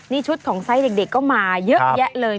นี่ชุดของไซส์เด็กก็มาเยอะแยะเลย